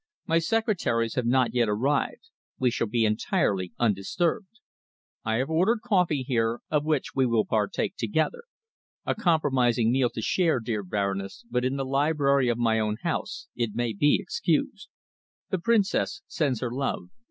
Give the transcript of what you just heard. My secretaries have not yet arrived. We shall be entirely undisturbed. I have ordered coffee here, of which we will partake together. A compromising meal to share, dear Baroness, but in the library of my own house it may be excused. The Princess sends her love.